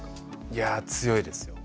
いや強いですよ。